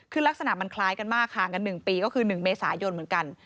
คือลักษณะมันคล้ายกันมากห่างกัน๑ปีก็คือ๑เมษายนเหมือนกัน